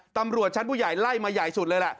ตำรวจชั้นผู้ใหญ่ไล่มาใหญ่สุดเลยล่ะ